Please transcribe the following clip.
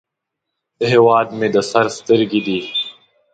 هیواد مې د سر سترګې دي